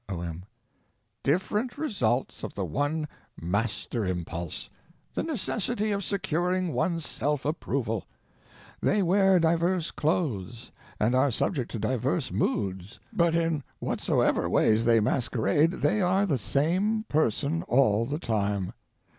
O.M. Different results of the one Master Impulse: the necessity of securing one's self approval. They wear diverse clothes and are subject to diverse moods, but in whatsoever ways they masquerade they are the same person all the time.